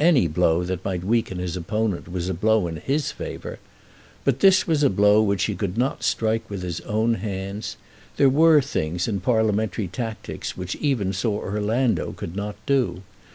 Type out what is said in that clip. Any blow that might weaken his opponent was a blow in his favour. But this was a blow which he could not strike with his own hands. There were things in parliamentary tactics which even Sir Orlando could not do.